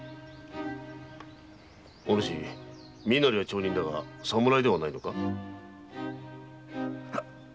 お主身なりは町人だが侍ではないのか？